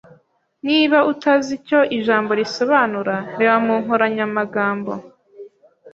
Niba utazi icyo ijambo risobanura, reba mu nkoranyamagambo.